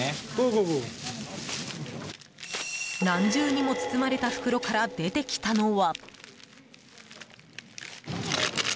何重にも包まれた袋から出てきたのは。